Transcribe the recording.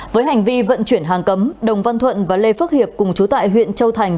với hành vi vận chuyển hàng cấm đồng văn thuận và lê phước hiệp cùng chú tại huyện châu thành